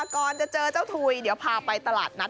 ก่อนจะเจอเจ้าถุยเดี๋ยวพาไปตลาดนัด